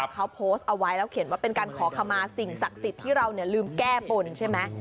เขาโพสต์เอาไว้แล้วเขียนว่าเป็นการขอขมาสิ่งศักดิ์สิทธิ์ที่เราลืมแก้บนใช่ไหม